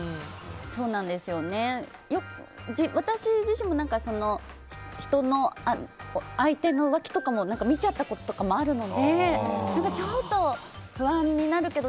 私自身も相手の浮気とか見ちゃったこととかあるのでちょっと、不安になるけど。